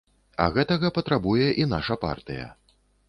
А гэтага патрабуе і наша партыя.